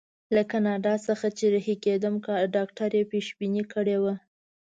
له کاناډا څخه چې رهي کېدم ډاکټر یې پېشبیني کړې وه.